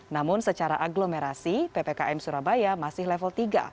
namun secara agglomerasi ppkm surabaya masih level tiga